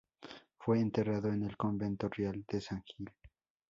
Fue enterrado en el convento real de san Gil.